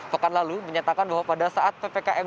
pekan lalu menyatakan bahwa pada saat ppkm